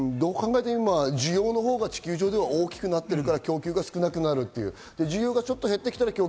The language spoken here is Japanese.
今、需要のほうが地球上では多くなっているから供給が足りなくなっている。